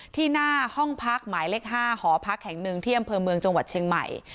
หน้าห้องพักหมายเลข๕หอพักแห่งหนึ่งที่อำเภอเมืองจังหวัดเชียงใหม่